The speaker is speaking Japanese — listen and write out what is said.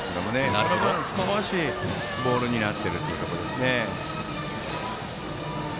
その分、少しボールになっているということですね。